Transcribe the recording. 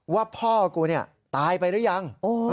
ว่าพ่อกูตายไปหรือยัง